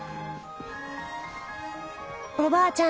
おばあちゃん